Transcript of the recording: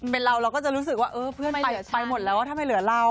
เป็นเราเราก็จะรู้สึกว่าเออเพื่อนไปหมดแล้วว่าถ้าไม่เหลือเรา